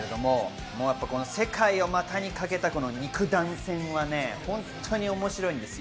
世界を股にかけた肉弾戦はね面白いです。